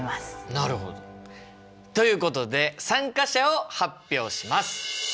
なるほど。ということで参加者を発表します！